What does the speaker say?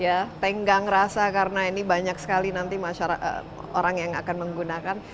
ya tenggang rasa karena ini banyak sekali nanti orang yang akan menggunakan